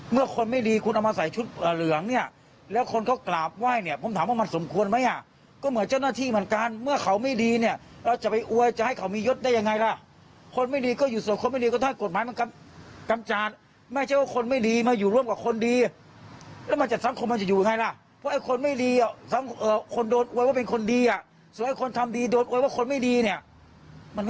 เมื่อคนไม่ดีคุณเอามาใส่ชุดเหลืองเนี่ยแล้วคนเขากราบไหว้เนี่ยผมถามว่ามันสมควรไหมอ่ะก็เหมือนเจ้าหน้าที่เหมือนกันเมื่อเขาไม่ดีเนี่ยเราจะไปเอวยจะให้เขามียศได้ยังไงล่ะคนไม่ดีก็อยู่ส่วนคนไม่ดีก็ถ้ากฎหมายมันกำจัดไม่ใช่ว่าคนไม่ดีมาอยู่ร่วมกับคนดีแล้วมันจะทั้งคนมันจะอยู่ไงล่ะเพราะไอ้คนไม่ดีอ่ะ